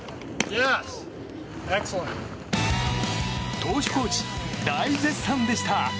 投手コーチ大絶賛でした。